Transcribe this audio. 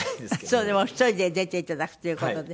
そうでもお一人で出て頂くという事で。